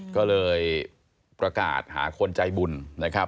ก็เลยประกาศหาคนใจบุญนะครับ